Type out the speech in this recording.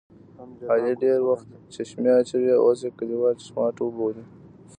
علي ډېری وخت چشمې اچوي اوس یې کلیوال چشماټو بولي.